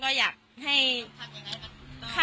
ก็อยากให้ค่า